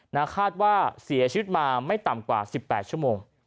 นาคาดว่าเสียชีวิตมาไม่ต่ำกว่า๑๘ชั่วโมง